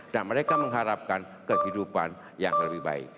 dan mereka mengharapkan kehidupan yang lebih baik